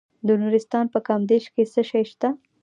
د نورستان په کامدیش کې څه شی شته؟